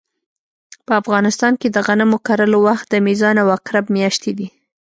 په افغانستان کې د غنمو کرلو وخت د میزان او عقرب مياشتې دي